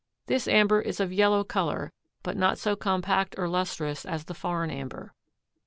This amber is of yellow color but not so compact or lustrous as foreign amber.